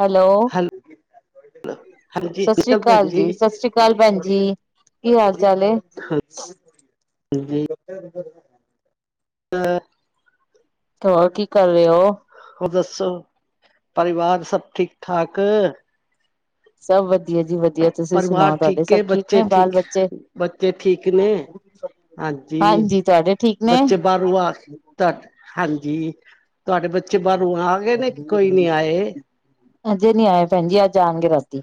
Hello, ਹੈਲ ਹਾਂਜੀ ਸਤਿ ਸ੍ਰੀ ਕਲ ਭੈਣ ਅਕਾਲ ਜੀ, ਸਤਿ ਸ੍ਰੀ ਅਕਾਲ ਭੈਣ ਜੀ। ਕੀ ਹਾਲ ਚਾੱਲ ਏ। ਹਾਂਜੀ [unintelligible] ਹੋਰ, ਕੀ ਕਰ ਰਹੇ ਹੋ? ਹੋਰ ਦੱਸੋ ਪਰਿਵਾਰ ਸਭ ਠੀਕ-ਠਾਕ। ਸਭ ਵਧੀਆ। ਜੀ ਵਧੀਆ ਤੁਸੀਂ ਪਰਿਵਾਰ ਸੁਣਾਓ ਤੁਹਾਡੇ ਠੀਕ ਏ, ਸਭ ਬੱਚੇ ਨੇ ਬਾਲ ਠੀਕ, ਬੱਚੇ ਬੱਚੇ ਠੀਕ ਨੇ। ਹਾਂਜੀ, ਤੁਹਾਡੇ ਠੀਕ ਨੇ ਬੱਚੇ ਬਾਹਰੋਂ ਆ ਤੁਹਾ ਹਾਂਜੀ। ਤੁਹਾਡੇ ਬੱਚੇ ਬਾਹਰੋ ਆ ਗਏ ਨੇ, ਕੇ ਕੋਈ ਨੀ ਆਏ? ਅਜੇ ਨੀ ਆਏ ਭੈਣ ਜੀ, ਅੱਜ ਆਣਗੇ ਰਾਤੀ।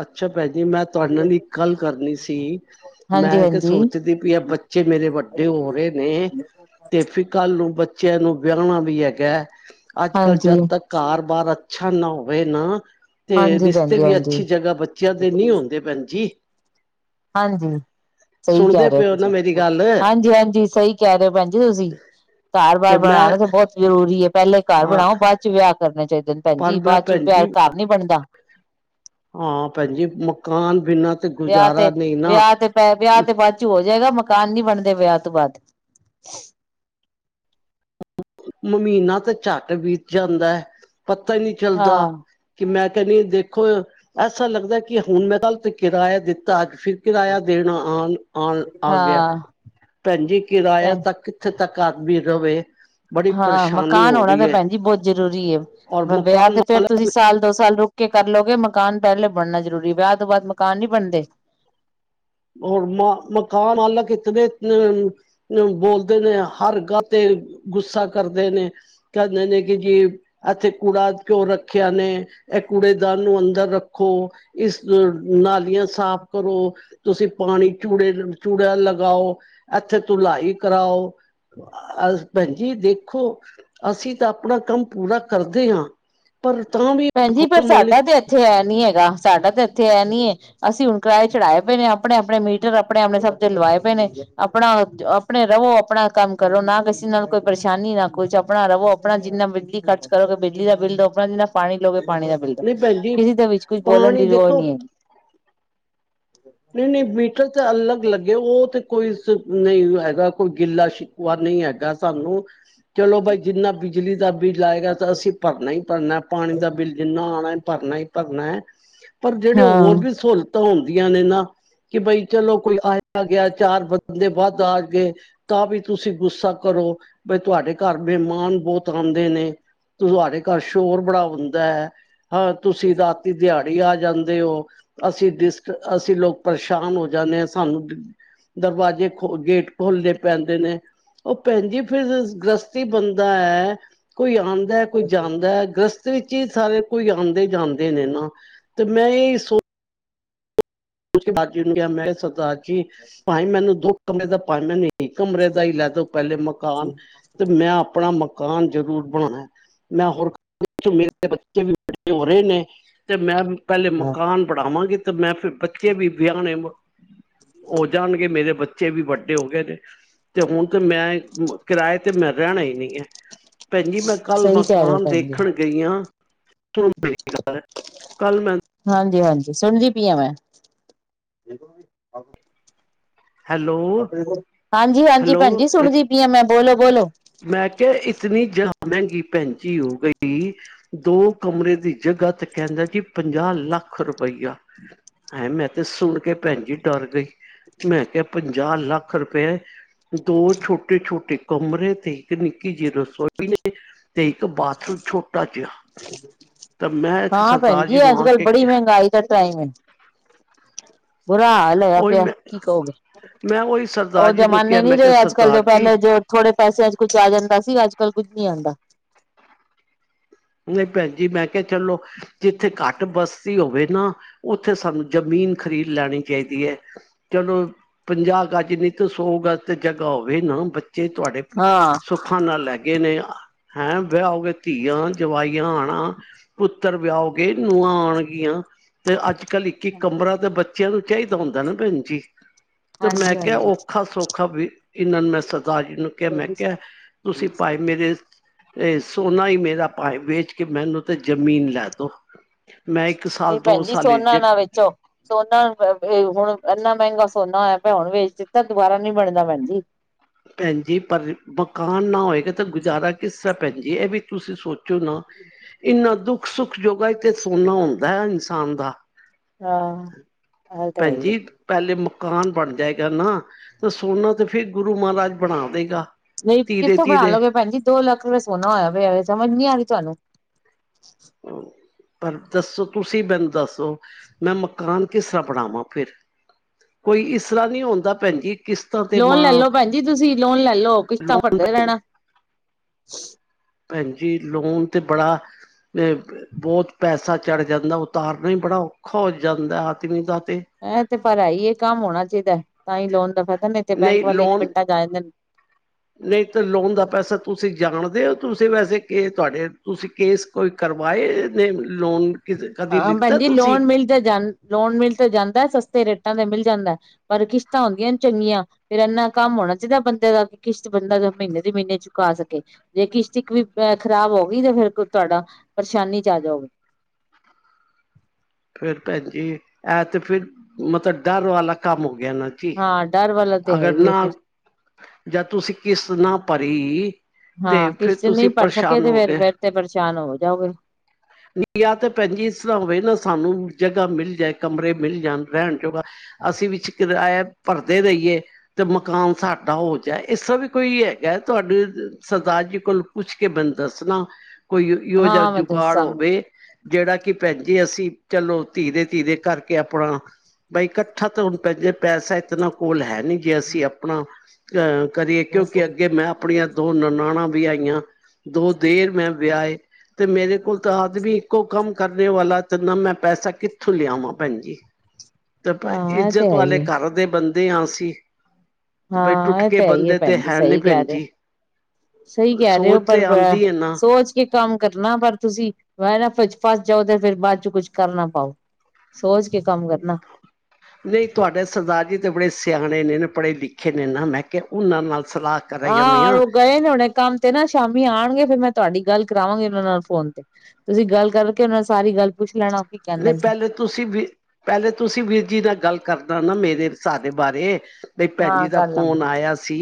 ਅੱਛਾ, ਭੈਣ ਜੀ ਮੈਂ ਤੁਹਾਡੇ ਨਾਲ ਇੱਕ ਗੱਲ ਕਰਨੀ ਸੀ, ਹਾਂਜੀ ਮੈਂ ਤੇ ਹਾਂਜੀ ਸੋਚਦੀ ਪਈ ਆ ਬੱਚੇ ਮੇਰੇ ਵੱਡੇ ਹੋ ਰਹੇ ਨੇ, ਤੇ ਫਿਰ ਕੱਲ ਨੂੰ ਬੱਚਿਆਂ ਨੂੰ ਵਿਆਣਾ ਵੀ ਹੈਗਾ ਹੈ। ਅੱਜ ਕੱਲ੍ਹ ਹਾਂਜੀ ਜਦ ਤੱਕ ਘਰ ਬਾਰ ਅੱਛਾ ਨਾ ਹੋਵੇ ਨਾ ਤੇ ਹਾਂਜੀ ਭੈਣ ਰਿਸ਼ਤੇ ਜੀ ਵੀ ਅੇ ਹਾਂਜੀ ਹਾਂਜੀ, ਸਹੀ ਕਹਿ ਸੁਣਦੇ ਰਹੇ ਪਏ ਹੋ ਨਾ ਤੁਸੀਂ, ਮੇਰੀ ਗੱਲ ਹਾਂਜੀ ਹਾਂਜੀ ਸਹੀ ਕਹਿ ਰਹੇ ਭੈਣ ਜੀ ਤੁਸੀਂ, ਘਰ ਬਾਰ ਬਣਾਣਾ ਤੇ ਬਹੁਤ ਜ਼ਰੂਰੀ ਹੈ ਪਹਿਲੇ ਘਰ ਹਾਂ ਬਣਾਓ, ਬਾਅਦ ਚ ਵਿਆਹ ਕਰਨਾ ਚਾਹੀਦਾ। ਪਰ ਭੈਣਜੀ ਮੈਂ ਬਾਅਦ ਚ ਭੈਣ ਵਿਆਹ ਜੀ ਘਰ ਬਣਦਾ। ਹਾਂ ਭੈਣ ਜੀ ਮਕਾਨ ਬਿਨਾਂ ਤੇ ਵਿਆਹ ਤੇ ਗੁਜ਼ਾਰਾ ਨਹੀਂ ਨਾ। ਵਿਆਹ ਤੇ ਪੈ ਵਿਆਹ ਤੇ ਬਾਅਦ ਚ ਹੋ ਜਾਏਗਾ ਮਕਾਨ ਨੀ ਬਣਦੇ ਵਿਆਹ ਤੋਂ ਬਾਅਦ ਮਮੀਨਾ ਤੇ ਝੱਟ ਬੀਤ ਜਾਂਦਾ ਐ। ਪਤਾ ਹੀ ਨਹੀਂ ਹਾਂ ਚੱਲਦਾ ਕਿ ਮੈਂ [unintelligible] ਦੇਖੋ, ਐਸਾ ਲੱਗਦਾ ਕਿ ਹੁਣ ਮੈਂ ਕੱਲ ਕਿਰਾਇਆ ਦਿੱਤਾ। ਅੱਜ ਫਿਰ ਕਿਰਾਇਆ ਦੇਣਾ ਆਣ, ਆਣ ਆ ਗਿਆ। ਹਾਂ ਭੈਣ ਜੀ ਕਿਰਾਇਆ ਭੈਣ ਤਾਂ ਕਿੱਥੇ ਤੱਕ ਆਦਮੀ ਦਵੇ। ਹਾਂ ਮਕਾਨ ਹੋਣਾ ਤੇ ਭੈਣ ਜੀ ਬਹੁ ਜ਼ਰੂਰੀ ਹੈ। ਔਰ ਮੈਂ ਵਿਆਹ ਮਕਾਨ ਤੇ ਫੇਰ ਤੁਸੀਂ ਸਾਲ ਦੋ ਸਾਲ ਰੁਕ ਕੇ ਕਰਲੋਗੇ। ਮਕਾਨ ਪਹਿਲੇ ਬਣਨਾ ਜ਼ਰੂਰੀ, ਵਿਆਹ ਤੋਂ ਬਾਅਦ ਮਕਾਨ ਨੀ ਬਣਦੇ। ਹੋਰ ਮ ਮਕਾਨ ਮਾਲਕ ਇਤਨ ਅ ਬੋਲਦੇ ਨੇ ਹਰ ਗੱਲ ਤੇ ਗੁੱਸਾ ਕਰਦੇ ਨੇ, ਕਹਿੰਦੇ ਨੇ ਕਿ ਜੀ, ਇੱਥੇ ਕੂੜਾ ਕਿਉ ਰੱਖਿਆ ਨੇ? ਇਹ ਕੂੜੇਦਾਨ ਨੂੰ ਅੰਦਰ ਰੱਖੋ। ਇਸ ਨਾਲੀਆਂ ਸਾਫ਼ ਕਰੋ। ਤੁਸੀਂ ਪਾਣੀ ਚੂੜੇ ਚੂੜਾ ਲਗਾਓ, ਇੱਥੇ ਧੁਲਾਈ ਕਰਾਓ, ਭੈਣ ਜੀ ਦੇਖੋ ਅਸੀਂ ਤਾਂ ਆਪਣਾ ਕੰਮ ਪੂਰਾ ਕਰਦੇ ਹਾਂ। ਪਰ ਤਾਂ ਵੀ ਭੈਣਜੀ ਪਰ ਮਕਾਨ ਮਾਲਿਕ ਸਾਡਾ ਤੇ ਇੱਥੇ ਐ ਨੀ ਹੈਗਾ ਸਾਡਾ ਤਾਂ ਇੱਥੇ ਇਹ ਨੀ ਅਸੀਂ ਹੁਣ ਕਿਰਾਏ ਚੜ੍ਹਾਏ ਪਏ ਨੇ ਆਪਣੇ ਆਪਣੇ ਮੀਟਰ ਆਪਣੇ ਆਪਣੇ ਸਭ ਤੇ ਲਵਾਏ ਪਏ ਨੇ ਆਪਣਾ ਆਪਣੇ ਰਵੋ ਆਪਣਾ ਕੰਮ ਕਰੋ ਨਾ ਕਿਸੇ ਨਾਲ ਕੋਈ ਪਰੇਸ਼ਾਨੀ ਨਾ ਕੁਛ ਆਪਣਾ ਰਵੋ ਆਪਣਾ ਜਿੰਨਾ ਬਿਜਲੀ ਖਰਚ ਕਰੋ ਕਿ ਬਿਜਲੀ ਦਾ ਬਿੱਲ ਦਓ ਆਪਣਾ ਜਿੰਨਾ ਪਾਣੀ ਲੋ ਪਾਣੀ ਦਾ ਬਿੱਲ ਦਾ ਨੇ ਭੈਣ ਜੀ ਕਿਸੇ ਦੇ ਵਿੱਚ ਕੁਝ ਬੋਲਣ ਪਾਣੀ ਦੀ ਰੋ ਨਹੀਂ ਹੈਗੀ ਨਹੀਂ ਨਹੀਂ ਬਿ ਤੇ ਅਲੱਗ ਲੱਗੇ ਉਹ ਤੇ ਕੋਈ ਨਹੀਂ ਹੈਗਾ ਕੋਈ ਗਿੱਲਾ ਛਕੂਆ ਨਹੀਂ ਹੈਗਾ ਸਾਨੂੰ ਚਲੋ ਬਾਈ ਜਿੰਨਾ ਬਿਜਲੀ ਦਾ ਬਿੱਲ ਆਏਗਾ ਤਾਂ ਅਸੀਂ ਭਰਨਾ ਹੀ ਭਰਨਾ ਪਾਣੀ ਦਾ ਬਿੱਲ ਜਿੰਨਾ ਆਉਣਾ ਭਰਨਾ ਹੀ ਭਰਨਾ ਹੈ ਪਰ ਜਿਹੜੇ ਹਾਂ ਹੋਰ ਵੀ ਸਹੂਲਤ ਹੁੰਦੀਆਂ ਨੇ ਇਹਨਾਂ ਕਿ ਬਈ ਚਲੋ ਕੋਈ ਆਏ ਗਿਆ ਚਾਰ ਬੰਦੇ ਵੱਧ ਆ ਅਗੇ ਤਾਂ ਵੀ ਤੁਸੀਂ ਗੁੱਸਾ ਕਰੋ ਬਈ ਤੁਹਾਡੇ ਘਰ ਮਹਿਮਾਨ ਬਹੁਤ ਆਉਂਦੇ ਨੇ ਤੁਹਾਡੇ ਘਰ ਸ਼ੋਰ ਬੜਾ ਹੁੰਦਾ ਹੈ ਹਾਂ ਤੁਸੀਂ ਰਾਤੀ ਦਿਹਾੜੀ ਆ ਜਾਂਦੇ ਹੋ ਅਸੀਂ ਡਿਸਕ ਅਸੀਂ ਲੋਕ ਪਰੇਸ਼ਾਨ ਹੋ ਜਾਂਦੇ ਆ ਸਾਨੂੰ ਦਰਵਾਜੇ ਖੋ ਗੇਟ ਖੋਲਣੇ ਪੈਂਦੇ ਨੇ ਉਹ ਭੈਣਜੀ ਫਿਰ ਗ੍ਰਸਤੀ ਬੰਦਾ ਹੈ ਕੋਈ ਆਂਦਾ ਕੋਈ ਜਾਂਦਾ ਗ੍ਰਸਤ ਇਸ ਵਿੱਚ ਹੀ ਸਾਰੇ ਕੋਈ ਆਉਂਦੇ ਜਾਂਦੇ ਨੇ ਨਾ ਤੇ ਮੈਂ ਇਹ ਸੋਚ ਉਸ ਬਾਅਦ ਜ ਕਿਹਾ ਮੈਂ ਕਿਹਾ ਕਿ ਭਾਵੇ ਮੈਨੂੰ ਦੁੱਖ ਕਮਰੇ ਦਾ [unintelligible] ਕਮਰੇ ਦਾ ਹੀ ਲੈ ਦੋ ਪਹਿਲੇ ਮਕਾਨ ਤੇ ਮੈਂ ਆਪਣਾ ਮ ਮਕਾਨ ਜ਼ਰੂਰ ਬਣਾਉਣਾ ਮੈਂ ਹੋਰ ਮੇਰੇ ਬੱਚੇ ਵੱਡੇ ਹੋ ਰਹੇ ਨੇ ਤੇ ਮੈਂ ਪਹਿਲੇ ਮਕਾਨ ਬਣਾਵਾਂਗੇ ਮੈਂ ਫਿਰ ਬੱਚੇ ਵੀ ਵਿਆਣੇ ਹੋ ਜਾਣਗੇ ਮੇਰੇ ਬੱਚੇ ਬੱਚੇ ਵੀ ਵੱਡੇ ਹੋ ਗਏ ਨੇ ਤੇ ਹੁਣ ਤੇ ਮੈਂ ਕਿਰਾਏ ਤੇ ਮੈਂ ਰਹਿਣਾ ਹੀ ਨੀ ਹੈ ਭੈਣਜੀ ਮੈਂ ਕੱਲ ਸਹੀ ਕਹਿ ਰਹੇ ਹੋ ਮਕਾਨ ਭੈਣ ਜੀ ਦੇਖਣ ਗਈ ਹਾਂ [unintelligible] ਹਾਂਜੀ ਹਾਂਜੀ ਸੁਣਦੀ ਪੀ ਆ ਮੈਂ ਹੈਲੋ ਹਾਂਜੀ ਹਾਂਜੀ ਭੈਣਜੀ ਹੈਲੋ ਸੁਣਦੀ ਪੀ ਆ ਮੈਂ ਬੋਲੋ ਬੋਲੋ ਮੈਂ ਕਿਹਾ ਇਤਨੀ ਜਗ੍ਹਾ ਮਹਿੰਗੀ ਭੈਣਜੀ ਹੋ ਗਈ ਦੋ ਕਮਰੇ ਦੀ ਜਗ੍ਹਾ ਤੇ ਕਹਿੰਦਾ ਜੀ ਪੰਜਾਹ ਲੱਖ ਰੁਪਈਆ ਐਂ ਮੈਂ ਤੇ ਸੁਣ ਕੇ ਭੈਣ ਜੀ ਡਰ ਗਈ ਮੈਂ ਕੇਆ ਪੰਜਾ ਲੱਖ ਰਪੇ, ਦੋ ਛੋਟੇ-ਛੋਟੇ ਕਮਰੇ ਤੇ ਇੱਕ ਨਿੱਕੀ ਜੀ ਰਸੋਈ ਨੇ, ਤੇ ਇੱਕ ਬਾਥਰੂਮ ਛੋਟਾ ਜੇਆ ਹਾਂ ਭੈਨ ਜੀ ਅੱਜ, ਕੱਲ ਬੜੀ ਕੇ ਮੇਂਗਾਈ ਦਾ ਟਾਈਮ ਏ। ਬੁਰਾ ਹਾਲ ਹੋਏਆ ਉਹੀ ਪੇਆ ਮੈਂ ਕੀ ਕਓਗੇ, ਮੈਂ ਉਹੀ ਓ ਸਰਦਾਰ ਜੀ ਨੂੰ ਜਮਾਨੇ ਕਿਹਾ ਨੀ ਮੈਂ ਕਿਹਾ ਰਏ ਅੱਜ-ਕੱਲ ਜੋ ਸਰਦਾਰ ਜੀ ਪੈਲੇ ਜੋ ਥੋੜੇ ਪੈਸੇਆਂ ਚ ਕੁਛ ਆ ਜਾਂਦਾ ਸੀ ਅੱਜ ਕੱਲ ਕੁਝ ਨੀ ਆਂਦਾ ਨਹੀਂ ਭੈਨ ਜੀ ਮੈਂ ਕੇਆ ਚਲੋ ਜਿੱਥੇ ਘੱਟ ਬਸਤੀ ਹੋਵੇ ਨਾ ਓਥੇ ਸਾਨੂੰ ਜਮੀਨ ਖਰੀਦ ਲੈਣੀ ਚਾਈਦੀ ਏ ਚਲੋ ਪੰਜਾ ਗੱਜ ਨੀ ਤੇ ਸੋ ਗਜ ਤੇ ਜਗ੍ਹਾ ਹੋਵੇ ਨਾ ਜੇ ਤੁਆਡੇ ਹਾਂ ਸੁੱਖਾਂ ਨਾਲ ਲੈਗੇ ਨੇ ਹੈਂ, ਵੇਆ ਹੋ ਗਏ ਧੀਆਂ ਜਵਾਈਆਂ ਆਣਾ, ਪੁੱਤਰ ਵੇਆਓਗੇ ਨੂਆੰ ਆਓਣਗੀਆਂ ਤੇ ਅੱਜ [unintelligible] ਕੱਲ ਇੱਕ-ਇੱਕ ਕਮਰਾ ਦਾ ਬੱ [unintelligible] ਭੈਨ ਜੀ ਤੇ ਮੈਂ ਹਾਂਜੀ ਕੇਆ ਹਾਂਜੀ ਓਖਾ ਸੋਖਾ [unintelligible] ਦਾ ਜੀ ਨੂੰ ਕੇਆ ਮੈ ਕੇਆ ਨਹੀਂ ਤੁਸੀਂ ਭਾਈ ਮੇਰੇ ਇਹ ਸੋਨਾ ਈ ਮੇਰਾ ਭਾਏ ਵੇਚ ਕੇ ਮੈਨੂੰ ਤੇ ਜਮੀਨ ਲੈ ਦੋ ਮੈਂ ਇੱਕ ਸਾਲ ਨਈ ਦੋ ਭੈਨਜੀ ਸਾਲ ਸੋਨਾ ਜ ਨਾ ਵੇਚੋ ਸੋਨਾ ਅ ਏ ਹੁਣ ਏਨਾ ਮੈਂਗਾ ਸੋਨਾ ਹੋਏਆ ਪੇਆ, ਹੁਣ ਵੇਚ ਦਿੱਤਾ ਦੁਬਾਰਾ ਨੀ ਬਣਨਾ ਭੈਨ ਜੀ ਭੈਨ ਜੀ, ਪਰ ਮਕਾਨ ਨਾ ਹੋਏਗਾ ਤੇ ਗੁਜਾਰਾ ਕਿਸਰਾ ਭੈਨ ਜੀ? ਐਵੀ ਤੁਸੀ ਸੋਚੋ ਨਾ ਇੰਨਾ ਦੁੱਖ ਸੁੱਖ [unintelligible] ਦਾ ਇਨਸਾਨ ਦਾ ਹਾਂ ਇਹ ਤਾਂ ਹੈ ਹੀ ਭੈਨਜੀ ਹੈ। ਪੈਲੇ ਮੁ ਮਕਾਨ ਬਨ ਜਾਏਗਾ ਨਾ, ਤੇ ਸੋਨਾ ਤੇ ਫਿਰ ਗੁਰੂ ਮਾਰਾਜ ਬਣਾ ਦੇਗਾ ਨਈ ਧੀਰੇ ਕਿੱਥੋਂ ਬਣਾ ਧੀਰੇ ਲੋਗੇ ਭੈਨ ਜੀ? ਦੋ ਲੱਖ ਰਪੇ ਸੋਨਾ ਹੋਆ ਪੇਆ ਵੇ ਸਮਜ ਨੀ ਆ ਰੀ ਤੁਹਾਨੂ ਪਰ ਦੱਸੋ ਤੁਸੀਂ ਮੈਨ ਦੱਸੋ, ਮੈਂ ਮਕਾਨ ਕਿਸਰਾ ਬਣਾਵਾਂ ਫਿਰ? ਕੋਈ ਇਸਰਾ ਨਈ ਹੋਂਦਾ ਭੈਨਜੀ ਲੋਨ ਲੈਲੋ ਭੈਨ ਜੀ ਤੁਸੀਂ ਲੋਨ ਲੈਲੋ, ਕਿਸਤਾਂ ਲੋਨ ਭਰਦੇ ਰੈਣਾ [inaudible] ਭੈਨਜੀ ਲੋਨ ਤੇ ਬੜਾ ਅ ਬੋਤ ਪੈਸਾ ਚੜ ਜਾਂਦੈ, ਉਤਾਰਨਾ ਈ ਬੜਾ ਔਖਾ ਹੋ ਜਾਂਦੈ ਆਦਮੀ ਦਾ ਤੇ ਐ ਤੇ ਪਰ ਹੈਈ ਏ ਕੰਮ ਹੋਣਾ ਚੀਦੈ ਤਾਂ ਈ ਲੋਨ ਦਾ ਫੈਦਾ ਨਈ ਲੋਨ, ਨਈ ਤੋ ਲੋਨ ਦਾ ਪੈਸਾ ਤੁਸੀ ਜਾਣਦੇ ਓ ਤੁਸੀ ਵੈਸੇ ਕੇ ਕਰੈ, ਤੁਸੀ ਕੇਸ ਕੋਈ ਕਰਵਾਏ ਨੇ ਲੋਨ ਕਦੀ ਹਾਂ ਲਿੱਤਾ ਭੈਨਜੀ, ਤੁਸੀਂ ਲੋਣ-ਲੋਨ ਮਿਲ ਤੇ ਜਾਂ ਲੋਨ ਮਿਲ ਤੇ ਜਾਂਦੈ ਸਸਤੇ ਰੇਟ ਕਿਸ਼ਤਾਂ ਤੇ ਮਿਲ ਜਾਂਦੈ, ਪਰ ਕਿਸ਼ਤਾਂ ਹੁੰਦੀਆਂ ਨ ਚੰਗੀਆਂ ਫਿਰ ਏਨਾ ਕੰਮ ਹੋਣਾ ਚੀਈਦਾ ਬੰਦੇ ਦਾ, ਕਿ ਕਿਸ਼ਤ ਬੰਦਾ ਮ੍ਹੀਨੇ ਦੇ ਮ੍ਹੀਨੇ ਚੂਕਾ ਸਕੇ ਜੇ ਕਿਸ਼ਤ ਇੱਕ ਵੀ ਖ਼ਰਾਬ ਹੋ ਗਈ ਤੇ ਫੇਰ ਤੁਆਡਾ ਪਰਸ਼ਾਨੀ ਚ ਆ ਜਾਓਗੇ। ਫੇਰ ਭੈਣਜੀ ਐ ਤੇ ਫਿਰ ਮਤਲਬ ਡਰ ਵਾਲਾ ਕੰਮ ਹੋ ਗਿਆ ਨਾ ਜੀ ਹਾਂ। ਡਰ ਵਾਲਾ ਤੇ ਹੈ ਅਗਰ ਹੀ ਹੈ ਨਾ ਫਿਰ ਜਾਂ ਤੁਸੀਂ ਕਿਸ਼ਤ ਨਾ ਭਰੀ ਤੇ ਹਾਂ ਫਿਰ ਕਿਸ਼ਤ ਤੁਸੀਂ ਨਹੀਂ ਭਰ ਸਕੇ ਪਰੇਸ਼ਾਨ ਤੇ ਫੇਰ ਹੋਗੇ। ਫੇਰ ਤੇ ਪਰੇਸ਼ਾਨ ਹੋ ਜਾਓਗੇ ਨੀ ਯਾ ਤੇ ਭੈਣ ਜੀ ਇਸ ਤਰ੍ਹਾਂ ਹੋਵੇ ਨਾ ਸਾਨੂੰ ਜਗ੍ਹਾ ਮਿਲ ਜਾਏ ਕਮਰੇ ਮਿਲ ਜਾਣ ਰਹਿਣ ਜੋ ਅਸੀਂ ਵਿੱਚ ਕਿਰਾਇਆ ਭਰਦੇ ਰਹੀਏ ਤੇ ਮਕਾਨ ਸਾਡਾ ਹੋ ਜਾਏ ਇਸ ਤਰ੍ਹਾਂ ਵੀ ਕੋਈ ਹੈਗਾ ਤੁਹਾਡੇ ਸਰਦਾਰ ਜੀ ਕੋਲ ਪੁੱਛ ਕੇ ਮੈਨੂੰ ਦੱਸਣਾ। ਕੋਈ ਇਓਜਾ ਹਾਂ ਮੈਂ ਜੁਗਾੜ ਦੱਸਾਂਗੀ ਜਿਹੜਾ ਕੀ ਭੈਣਜੀ ਅਸੀਂ ਚਲੋ ਧੀਰੇ ਧੀਰੇ ਕਰਕੇ ਆਪਣਾ ਬਾਈ ਕੱਠਾ ਤਾਂ ਹੁਣ [unintelligible] ਪੈਸਾ ਇਤਨਾ ਕੋਲ ਹੈ ਨੀ ਜੀ ਅਸੀਂ ਆਪਣਾ ਅਹ ਕਰੀਏ ਕਿਉਂਕਿ ਅੱਗੇ ਮੈਂ ਆਪਣੀਆਂ ਦੋ ਨ ਨਨਾਣਾ ਵੀ ਆਈਆਂ ਦੋ ਦਿਓਰ ਮੈਂ ਵਿਆਏ ਤੇ ਮੇਰੇ ਆਦਮੀ ਇੱਕੋ ਕੰਮ ਕਰਨੇ ਵਾਲਾ ਤੇ ਮੈਂ ਪੈਸਾ ਕਿੱਥੋਂ ਲਿਆਵਾਂ ਭੈਣ ਜੀ ਤੇ ਹਾਂ ਇਹ ਤੇ ਇੱਜ਼ਤ ਹੈ ਵਾਲੇ ਹੀ ਹੈ ਘਰਦੇ ਬੰ ਦੇ ਆ ਅਸੀਂ ਬਈ ਹਾਂ ਟੁੱਟ ਇਹ ਏ ਕੇ ਤਾਂ ਹੈ ਈ ਏ ਬੰਦੇ ਤੇ ਭੈਣ ਜੀ ਹੈ ਨੀ ਸਹੀ ਭੈਣ ਕਹਿ ਰਹੇ ਹੋ ਜੀ ਸਹੀ ਕਹਿ ਰਹੇ ਹੋ ਸੋਚ ਪਰ ਤੇ ਆਉਂਦੀ ਹੈ ਨਾ। ਸੋਚ ਕੇ ਕੰਮ ਕਰਨਾ ਪਰ ਤੁਸੀਂ ਐ ਨਾ ਵਿੱਚ ਫਸ ਜਾਓ ਤੇ ਫੇਰ ਬਾਅਦ ਚ ਕੁੱਛ ਕਰ ਨਾ ਪਾਓ। ਸੋਚ ਕੇ ਕੰਮ ਕਰਨਾ ਨਈ ਤੁਹਾਡੇ ਸਰਦਾਰ ਜੀ ਤੇ ਬੜੇ ਸਿਆਣੇ ਨੇ ਪੜ੍ਹੇ ਲਿਖੇ ਨੇ ਨਾ ਮੈਂ ਕਿਹਾ ਓਨਾਂ ਨਾਲ ਸਲਾਹ ਕਰ ਜਾਂਦੀ ਹਾਂ ਔਰ ਗਏ ਨੇ ਹੁਣੇ ਕੰਮ ਤੇ ਨਾ ਸ਼ਾਮੀ ਆਣਗੇ ਫੇਰ ਮੈਂ ਤੁਹਾਡੀ ਗੱਲ ਕਰਾਵਾਂਹੀ ਉਨਾਂ ਨਾਲ ਫੋਨ ਤੇ ਤੁਸੀਂ ਗੱਲ ਕਰਕੇ ਓ ਨਾਲ ਸਾਰੀ ਗੱਲ ਪੁੱਛ ਲੈਣਾ। ਕੀ ਨਈ ਕਹਿੰਦੇ ਨੇ ਪਹਿਲੇ ਤੁਸੀਂ ਵੀ ਪਹਿਲੇ ਤੁਸੀਂ ਵੀਰ ਜੀ ਨਾਲ ਗੱਲ ਕਰਨਾ ਨਾ ਮੇਰੇ ਸਾਡੇ ਬਾਰੇ ਬਈ ਭੈਣੀ ਹਾਂ ਜੀ ਦਾ ਕਰ ਲਾਂਗੇ ਫੋਨ ਆਇਆ ਸੀ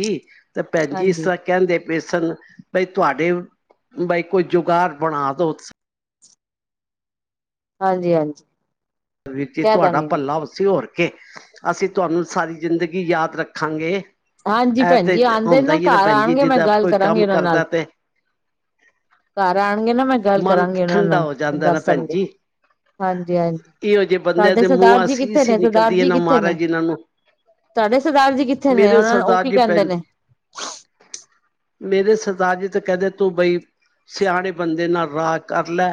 ਤੇ ਭੈਣ ਜੀ ਇਸ ਹਾਂਜੀ ਤਰ੍ਹਾਂ ਕਹਿੰਦੇ ਬੇਸਨ ਬਈ ਤੁਹਾਡੇ ਬਈ ਕੋਈ ਜੁਗਾੜ ਬਣਾ ਦੋ ਹਾਂਜੀ-ਹਾਂਜੀ ਵੀਰ ਜੀ ਤੁਹਾਡਾ ਭੱਲਾ ਵੱਸੀ ਹੋਰ ਕੇ ਅਸੀਂ ਤੁਹਾਨੂੰ ਸਾਰੀ ਜ਼ਿੰਦਗੀ ਯਾਦ ਰੱਖਾਂਗੇ। ਹਾਂਜੀ ਇਹ ਭੈਣ ਤੇ ਜੀ ਆਂਦੇ ਹੁੰਦਾ ਨਾ ਹੀ ਘਰ ਭੈਣ ਜੀ ਆਣਗੇ ਮੈਂ ਜਿੱਦਾਂ ਗੱਲ ਕੋਈ ਕਰਾਂਗੇ ਕੰਮ ਓਨਾਂ ਨਾਲ ਕਰਦਾ ਤੇ ਘਰ ਆਣਗੇ ਨਾ ਮੈਂ ਗੱਲ ਮਨ ਕਰਾਂਗੀ ਓਨਾਂ ਠੰਡਾ ਨਾਲ ਹੋ ਜਾਂਦਾ ਨਾ ਦੱਸਣਗੇ ਹਾਂਜੀ-ਹਾਂਜੀ ਏਓ ਜੇ ਬੰਦਿਆਂ ਦੇ ਮੂੰਹੋ ਅਸੀਸ ਹੀ ਨਿਕਲਦੀ ਜੀ ਨਾਂ ਕਿੱਥੇ ਨੇ ਮਹਾਰਾਜ ਜੀ ਏਨਾਂ ਨੂੰ ਮੇਰੇ ਸ ਓ ਕੀ ਕਹਿੰਦੇ ਨੇ ਮੇਰੇ ਸਰਦਾਰ ਜੀ ਤੇ ਕਹਿੰਦੇ ਤੂੰ ਬਈ ਸਿਆਣੇ ਬੰਦੇ ਨਾਲ ਰਾਹ ਕਰ ਲੈ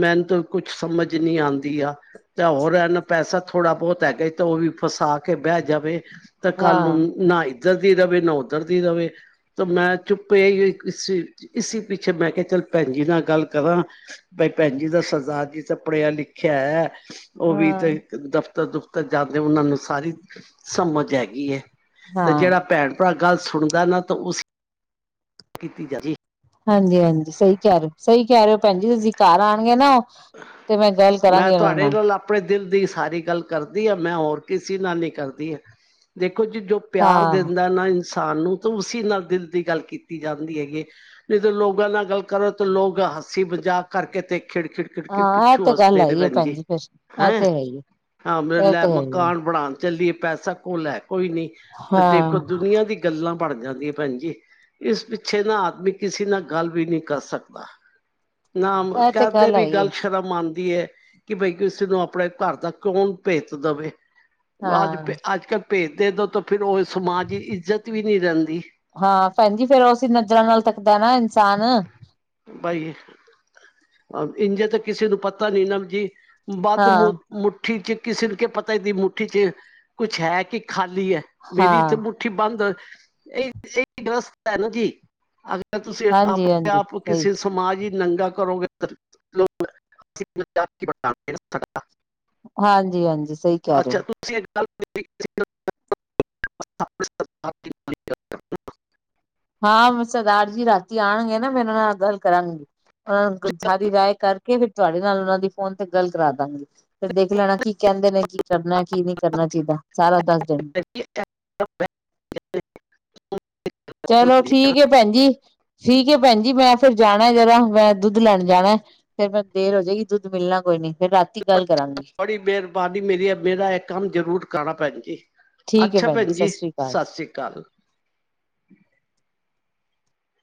ਮੈਨੂੰ ਤੋਂ ਕੁੱਛ ਸਮਝ ਨੀ ਆਂਦੀ ਆ ਤਾ ਹੋਰ ਐ ਨਾ ਪੈਸਾ ਥੋੜ੍ਹਾ ਬਹੁਤ ਹੈਗਾ ਕਈ ਤਾਂ ਓ ਵੀ ਫਸਾ ਕੇ ਬਹਿ ਜਾਵੇ ਤਾਂ ਕੱਲ ਹਾਂ ਨੂੰ ਨਾ ਇੱਧਰ ਦੀ ਰਵੇ ਨਾ ਉੱਧਰ ਦੀ ਰਵੇ ਤਾਂ ਮੈਂ ਚੁੱਪ ਏਈਓ ਇਸ ਇਸੀ ਪਿੱਛੇ ਮੈਂ ਕਿਆ ਚੱਲ ਭੈਣਜੀ ਨਾਲ ਗੱਲ ਕਰਾਂ ਬਈ ਭੈਣੀ ਦਾ ਸਰਦਾਰ ਜੀ ਤਾਂ ਪੜਿਆ ਲਿਖਿਆ ਐ ਉਹ ਵੀ ਹਾਂ ਇੱਥੇ ਦਫਤਰ ਦੁਫਤਰ ਜਾਂਦੇ ਉਹਨਾਂ ਨੂੰ ਸਾਰੀ ਸਮਝ ਹੈਗੀ ਤੇ ਹਾਂ ਜਿਹੜਾ ਭੈਣ ਭਰਾ ਗੱਲ ਸੁਣਦਾ ਨਾ ਤਾਂ ਉਸ ਕੀਤੀ ਜਾਦੀ ਹਾਂਜੀ ਹਾਂਜੀ ਸਹੀ ਕਹਿ ਰਹੇ ਸਹੀ ਕਹਿ ਰਹੇ ਹੋ ਭੈਣ ਜ ਤੁਸੀਂ ਘਰ ਆਉਣਗੇ ਨਾ ਤੇ ਮੈਂ ਗੱਲ ਮੈਂ ਕਰਾਂਗੇ ਉਹਨਾਂ ਤੁਹਾਡੇ ਨਾਲ ਆਪਣੇ ਦਿਲ ਦੀ ਸਾਰੀ ਗੱਲ ਕਰਦੀ ਆ ਮੈਂ ਹੋਰ ਕਿਸੇ ਨਾਲ ਨੀ ਕਰਦੀ ਹਾਂ ਦੇ ਕੁੱਝ ਜੋ ਪਿਆਰ ਹਾਂ ਦਿੰਦਾ ਨਾ ਇਨਸਾਨ ਨੂੰ ਤਾਂ ਉਸੀ ਨਾਲ ਦਿਲ ਦੀ ਗੱਲ ਕੀਤੀ ਜਾਂਦੀ ਹੈਗੀ ਜਦੋਂ ਲੋਕਾਂ ਨਾਲ ਗੱਲ ਕਰੋ ਤਾਂ ਲੋਕ ਹਸ ਹੱਸੀ ਮਜਾਕ ਕਰਕੇ ਤੇ ਖਿੜ ਖਿੜ ਖਿੜ ਖੜ ਹਾਂ ਇਹ ਪਿੱਛੋਂ ਤੇ ਗੱਲ ਹੱਸਦੇ ਨੇ ਹੈਗੀ ਹੈ ਭੈਣ ਜੀ ਫਿਰ ਇਹ ਤੇ ਹੈਂ ਹੈ ਹੀ ਹੈ, ਹਾਂ ਮੇ ਇਹ ਲੈ ਤੇ ਹੈ ਹੀ ਹੈ। ਮਕਾਨ ਬਣਾਉਣ ਚੱਲੀਏ ਪੈਸਾ ਕੋ ਲੈ ਕੋਈ ਨਹੀਂ ਤੇ ਦੇਖੋ ਹਾਂ ਦੁਨੀਆਂ ਦੀ ਗੱਲਾਂ ਭਣ ਜਾਂਦੀ ਹੈ ਭੈਣ ਜੀ ਇਸ ਪਿੱਛੇ ਨਾ ਆਦਮੀ ਕਿਸੇ ਨਾਲ ਗੱਲ ਵੀ ਨਹੀਂ ਕਰ ਸਕਦਾ ਨਾ ਇਹ ਤੇ ਕਦੇ ਵੀ ਹੈਗੀ ਗੱਲ ਹੈ। ਸ਼ਰਮ ਆਨ ਕਿ ਬਈ ਕਿਸੇ ਨੂੰ ਆਪਣੇ ਘਰ ਦਾ ਕੌਣ ਭੇਤ ਦੇਵੇ ਹਾਂ ਆਜ ਕੱਲ ਭੇਜ ਦੇ ਦਿਉ ਤਾਂ ਫਿਰ ਉਹ ਸਮਾਜ ਦੀ ਇੱਜ਼ਤ ਵੀ ਨਹੀਂ ਰਹਿੰਦੀ ਹਾਂ ਭੈਣ ਜੀ ਫੇਰ ਅਸੀਂ ਨਜ਼ਰਾਂ ਨਾਲ ਤੱਕਦਾ [unintelligible] ਬਾਈ ਇੰਝੇ ਤੇ ਕਿਸੇ ਨੂੰ ਪਤਾ ਨੀ ਨਾ ਜੀ ਬੰਧ ਹਾਂ ਮੁੱਠੀ ਚ ਕਿਸੇ ਨੂੰ ਕਿ ਪਤਾ ਦੀ ਮੁੱਠੀ ਚ ਕੁੱਛ ਹੈ ਕਿ ਖਾਲੀ ਹੈ ਮੇਰੀ ਤੇ ਹਾਂ ਮੁੱਠੀ ਬੰਦ ਇਹ ਡਰਸ ਹੈ ਨਾ ਜੀ ਅ ਤੁਸੀਂ ਹਾਂਜੀ ਆਪਣੇ ਹਾਂਜੀ ਆਪ ਸਹੀ ਕਿਸੇ ਸਮਾਜਿਕ ਕਰੋ [inaudible] ਹਾਂਜੀ ਹਾਂਜੀ ਸਹੀ ਕਹਿ ਰਹੇ ਅੱਛਾ ਹੋ [inaudible] ਹਾਂ ਮੈਂ ਸਰਦਾਰ ਜੀ ਰਾਤੀ ਆਉਣਗੇ ਨਾ ਮੈਂ ਓਹਨਾ ਨਾਲ ਗੱਲ ਕਰਾਂਗੀ ਉਹਨਾਂ ਨੂੰ ਸਾਰੀ ਰਾਏ ਕਰ ਫਿਰ ਤੁਹਾਡੇ ਨਾਲ ਉਹਨਾਂ ਦੀ ਫੋਨ ਤੇ ਗੱਲ ਕਰਾ ਦਾਂਗੀ ਫਿਰ ਦੇਖ ਲੈਣਾ ਕੀ ਕਹਿੰਦੇ ਨੇ ਕੀ ਕਰਨਾ ਕੀ ਨਹੀਂ ਕਰਨਾ ਚਾਹੀਦਾ ਸਾਰਾ ਦੱਸ ਦੇਣ [inaudible] ਚਲੋ ਠੀਕ ਹੈ ਭੈਣ ਜੀ, ਠੀਕ ਹੈ ਭੈਣ ਜੀ ਮੈਂ ਫੇਰ ਜਾਣਾ ਜਰਾ ਦੁੱਧ ਲੈਣ ਜਾਣਾ ਫੇਰ ਮੈਂ ਦੇਰ ਹੋ ਜਾਏਗੀ ਦੁੱਧ ਮਿਲਣਾ ਕੋਈ ਨੀ ਫੇਰ ਰਾਤੀ ਗੱਲ ਕਰਾਂਗੀ ਬੜੀ ਮਿਹਰਬਾਨੀ ਮੇਰੀ ਹੈ ਮੇਰਾ ਇਹ ਕੰਮ ਜ਼ਰੂਰ ਕਰਾਣਾ ਭੈਣ ਜੀ ਠੀਕ ਹੈ ਅੱਛਾ ਭੈਣ ਸਤਿ ਜੀ ਸ੍ਰੀ ਅਕਾਲ। ਸਤਿ ਸ੍ਰੀ ਅਕਾਲ